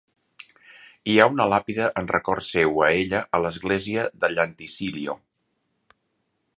Hi ha una làpida en record seu a ella a l'església de Llantysilio.